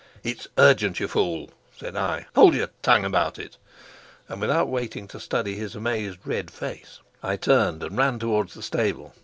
"It's urgent, you fool," said I. "Hold your tongue about it." And without waiting to study his amazed red face, I turned and ran towards the stable.